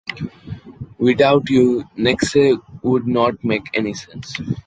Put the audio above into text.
Without you Nexe would not make any sense.